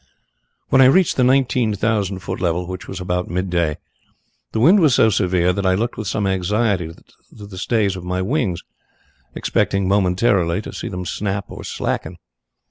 "When I reached the nineteen thousand foot level, which was about midday, the wind was so severe that I looked with some anxiety to the stays of my wings, expecting momentarily to see them snap or slacken.